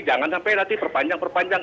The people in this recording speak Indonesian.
jangan sampai nanti perpanjang perpanjang